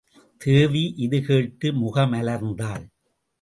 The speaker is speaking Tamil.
தேவி இது கேட்டு முகமலர்ந்தாள்.